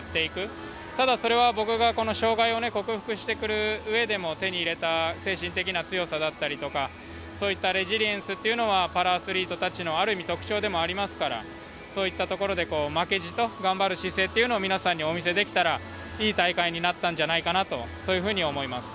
ただそれは僕がこの障がいを克服してくる上でも手に入れた精神的な強さだったりとかそういったレジリエンスっていうのはパラアスリートたちのある意味特長でもありますからそういったところで負けじと頑張る姿勢っていうのを皆さんにお見せできたらいい大会になったんじゃないかなとそういうふうに思います。